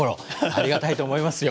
ありがたいと思いますよ。